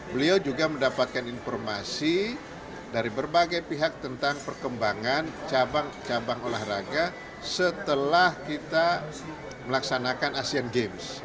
beliau juga mendapatkan informasi dari berbagai pihak tentang perkembangan cabang cabang olahraga setelah kita melaksanakan asean games